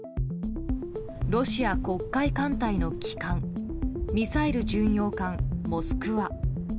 ロシア黒海艦隊の旗艦ミサイル巡洋艦「モスクワ」。